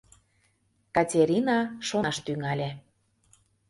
Катерина шонаш тӱҥале.